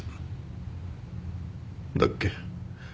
だっけ？